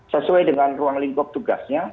sesuai dengan ruang lingkup tugasnya